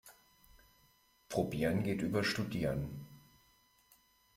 Probieren geht über Studieren.